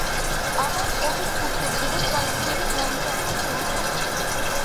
ამან, ტომის კულტურისა და ტრადიციების განივითარებას შეუწყო ხელი.